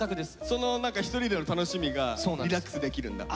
その何か一人での楽しみがリラックスできるんだ？